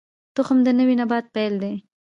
تخم د نوي نبات پیل دی